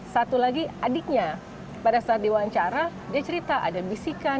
satu lagi adiknya pada saat diwawancara dia cerita ada bisikan